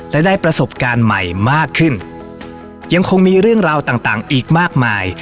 และได้ประสบการณ์ใหม่มากขึ้นยังคงมีเรื่องราวต่างต่างอีกมากมาย